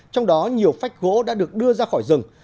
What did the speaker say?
trong đó nhiều phách gỗ đã được đưa ra khỏi rừng